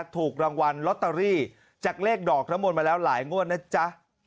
ถูกรางวัลลอตเตอรี่จากเลขดอกน้ำมนต์มาแล้วหลายงวดนะจ๊ะ